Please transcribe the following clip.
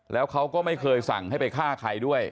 แล้วเขาก็ไม่เคยสั่งให้ไปฆ่าใครด้วย